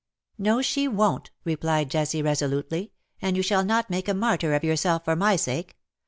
^' No, she won^t," replied Jessie, resolutely. '^And you shall not make a martyr of yourself for my sake.